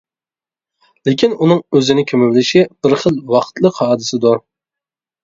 لېكىن ئۇنىڭ «ئۆزىنى كۆمۈۋېلىشى» بىر خىل ۋاقىتلىق ھادىسىدۇر.